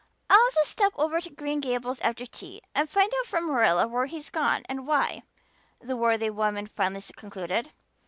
"I'll just step over to Green Gables after tea and find out from Marilla where he's gone and why," the worthy woman finally concluded.